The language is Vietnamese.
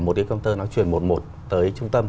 một đi công tơ nó chuyển một một tới trung tâm